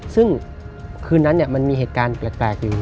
ซึ่งคืนนั้นมันมีเหตุการณ์แปลกอยู่